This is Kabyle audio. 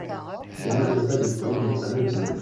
Sima tufa deg-s win yebɣan a yexdem.